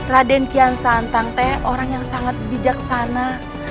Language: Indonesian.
raden kian santang teh orang yang sangat bijaksana